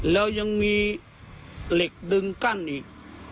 แล้วยังมีเหล็กดึงกั้นอีก